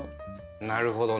なるほどね。